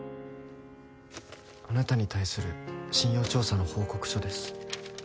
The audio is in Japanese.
あなたに対する信用調査の報告書です。